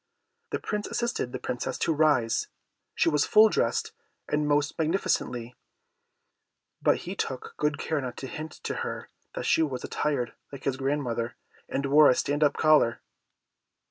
The Prince assisted the Princess to rise; she was full dressed, and most magnificently, but he took good care not to hint to her that she was attired like his grandmother, and wore a stand up collar.